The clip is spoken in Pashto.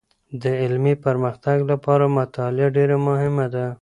د علمي پرمختګ لپاره مطالعه ډېر مهمه ده.